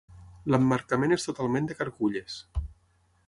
L'emmarcament és totalment de carculles.